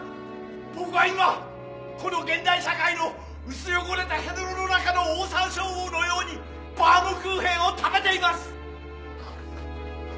僕は今この現代社会の薄汚れたヘドロの中のオオサンショウウオのようにバームクーヘンを食べています！